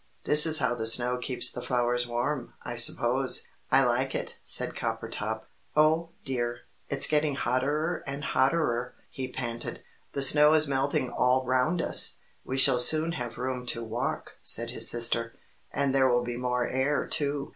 This is how the snow keeps the flowers warm, I suppose. I like it," said Coppertop. "Oh, dear! It's getting hotterer and hotterer!" he panted. "The snow is melting all round us we shall soon have room to walk," said his sister. "And there will be more air, too."